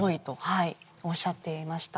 はいおっしゃっていました